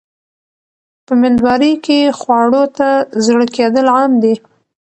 په مېندوارۍ کې خواړو ته زړه کېدل عام دي.